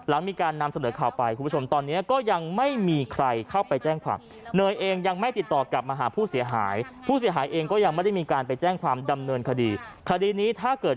แล้วมีการนำเสนอข่าวไป